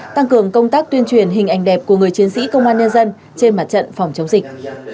tăng cường công tác tuyên truyền hình ảnh đẹp của người chiến sĩ công an nhân dân trên mặt trận phòng chống dịch